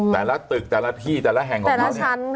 แต่ละตึกแต่ละที่แต่ละแห่งของเขาเนี่ย